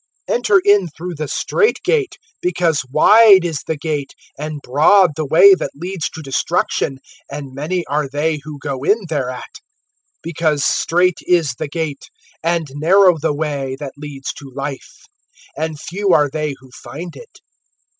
(13)Enter in through the strait gate; because wide is the gate, and broad the way, that leads to destruction, and many are they who go in thereat. (14)[7:14]Because strait is the gate, and narrow the way, that leads to life, and few are they who find it.